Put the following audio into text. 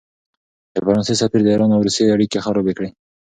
د فرانسې سفیر د ایران او روسیې اړیکې خرابې کړې.